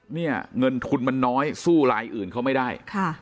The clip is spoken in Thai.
เนี่ยเงินทุนมันน้อยสู้รายอื่นเขาไม่ได้